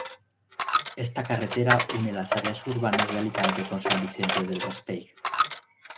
Esta carretera une las áreas urbanas de Alicante con San Vicente del Raspeig.